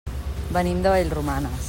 Venim de Vallromanes.